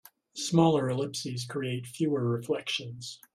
Smaller ellipses create fewer reflections.